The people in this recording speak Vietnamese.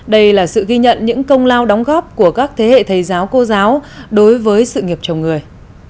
đây là sự ghi nhận những công lao đóng góp của các thế hệ thầy giáo cô giáo đối với sự nghiệp chồng người